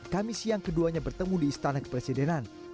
kami siang keduanya bertemu di istana kepresidenan